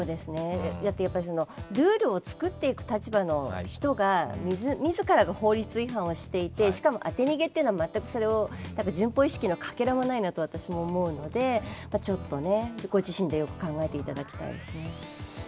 だってルールを作っていく立場の人が自らが法律違反をしていて、しかも当て逃げというのは、全く遵法意識のかけらもないと私は思うので、ちょっとご自身でよく考えていただきたいですね。